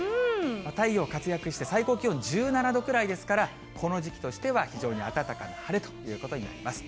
太陽活躍して、最高気温１７度くらいですから、この時期としては非常に暖かな晴れということになります。